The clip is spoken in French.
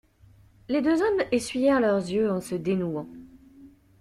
Les deux hommes essuyèrent leurs yeux en se dénouant.